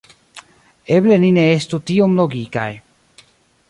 Eble ni ne estu tiom logikaj.